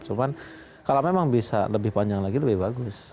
cuma kalau memang bisa lebih panjang lagi lebih bagus